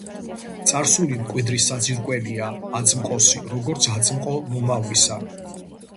„წარსული მკვიდრი საძირკველია აწმყოსი, როგორც აწმყო მომავლისა.“